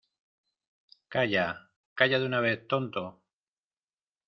¡ Calla! ¡ calla de una vez, tonto !